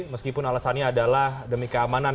meskipun alasannya adalah demi keamanan